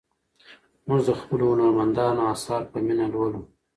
موږ د خپلو هنرمندانو اثار په مینه لولو.